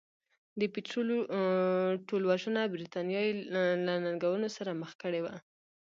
د پیټرلو ټولوژنه برېټانیا یې له ننګونو سره مخ کړې وه.